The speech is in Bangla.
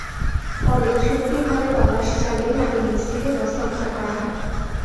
পরে ঝুপড়ি ঘরে তল্লাশি চালিয়ে মাটির নিচ থেকে বস্তা উদ্ধার করা হয়।